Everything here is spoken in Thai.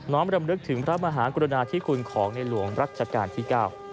น้อมรำลึกถึงพระมหากุฎนาที่คุณของในหลวงราชการที่๙